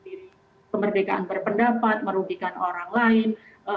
jadi ini adalah hal hal yang dianggap sebagai hal yang tidak terlalu berharga